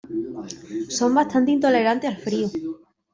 Son bastante intolerantes al frío.